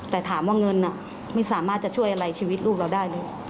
แต่ถามว่าเงินไม่สามารถจะช่วยอะไรชีวิตลูกเราได้เลย